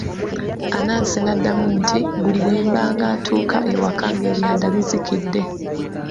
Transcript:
Anansi n'addamu nti, buli bwe mba ng'atuuka ewaka ng'eryanda lizikidde.